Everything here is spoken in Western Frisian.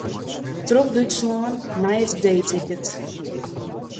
Troch Dútslân mei it D-ticket.